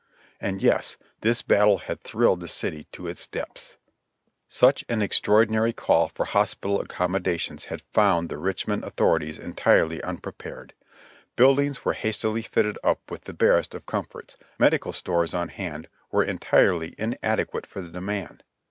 Ah, yes, this battle had thrilled the city to its depths ! Such an extraordinary call for hospital accommodations had found the Richmond authorities entirely unprepared; buildings were hastily fitted up with the barest of comforts ; medical stores on hand were entirely inadequate for the demand.